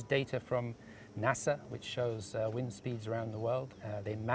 ada beberapa perusahaan lain yang melakukan hal yang sama